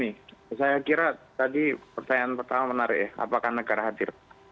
saya kira tadi pertanyaan pertama menarik ya apakah negara hadir